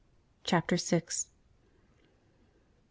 Chapter Six MR.